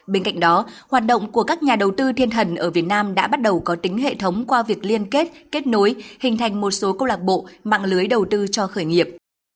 bên cạnh đó hoạt động của các nhà đầu tư thiên thần ở việt nam đã bắt đầu có tính hệ thống qua việc liên kết kết nối hình thành một số cô lạc bộ mạng lưới đầu tư cho khởi nghiệp